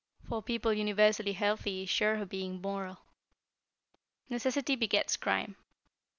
For people universally healthy is sure of being moral. Necessity begets crime.